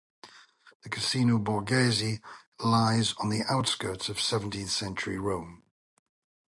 The "Casino Borghese" lies on the outskirts of seventeenth-century Rome.